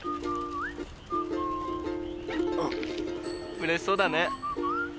うれしそうだね。